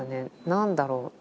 何だろう。